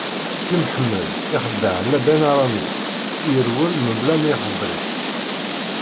Si Mḥemmed ixdeɛ Laban Arami, irwel mebla ma ixebbeṛ-it.